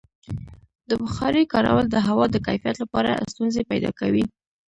د بخارۍ کارول د هوا د کیفیت لپاره ستونزې پیدا کوي.